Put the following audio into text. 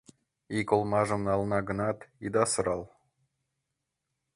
Ик олмажым налына гынат, ида сырал.